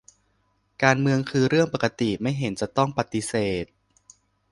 การเมืองคือเรื่องปกติ ไม่จะเห็นต้องปฏิเสธ